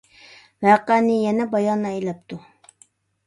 ۋەقەنى يەنە بايان ئەيلەپتۇ.